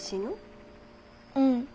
うん。